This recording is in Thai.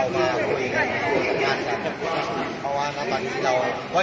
สวัสดีครับพี่เบนสวัสดีครับ